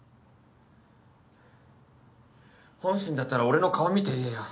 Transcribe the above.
本心だったら俺の顔見て言えよ。